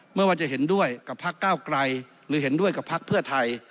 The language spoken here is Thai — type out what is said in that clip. ไม่ว่าจะเห็นด้วยกับพักเก้าไกลหรือเห็นด้วยกับพักเพื่อไทย